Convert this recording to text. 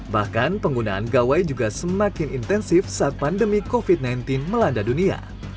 bahkan penggunaan gawai juga semakin intensif saat pandemi covid sembilan belas melanda dunia